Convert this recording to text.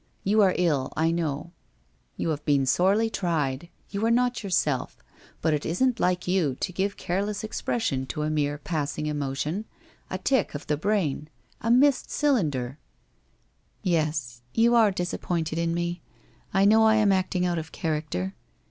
You are ill, I know, you have been sorely tried, you are not yourself, for it isn't like you to give careless expression to a mere passing emotion, a tic of the brain, a missed cylinder! ...'' Yes, you are disappointed in me. I know I am acting out of character.